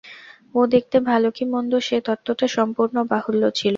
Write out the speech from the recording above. ও দেখতে ভালো কি মন্দ সে-তত্ত্বটা সম্পূর্ণ বাহুল্য ছিল।